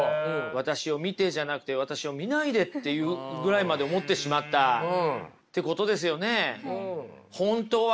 私を見てじゃなくて私を見ないでっていうぐらいまで思ってしまったってことですよね。